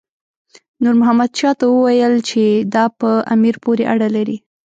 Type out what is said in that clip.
نور محمد شاه ته وویل چې دا په امیر پورې اړه لري.